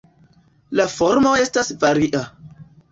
La formo estas varia.